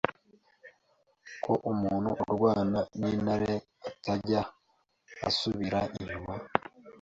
ko umuntu urwana n’Intare atajya asubira inyuma,